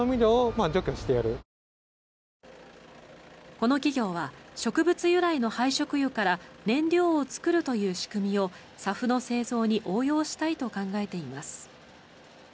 この企業は植物由来の廃食油から燃料を作るという仕組みをＳＡＦの製造に応用したいと考えています。